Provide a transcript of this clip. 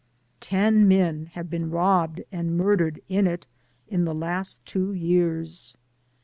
Ten men have been robbed and murdered in it in the last two years.